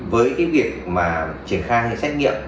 với việc triển khai hay xét nghiệm